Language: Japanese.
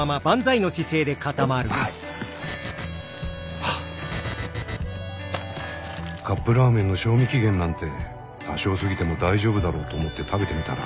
心の声カップラーメンの賞味期限なんて多少過ぎても大丈夫だろうと思って食べてみたら。